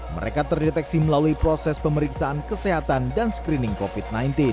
mereka terdeteksi melalui proses pemeriksaan kesehatan dan screening covid sembilan belas